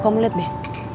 kamu liat deh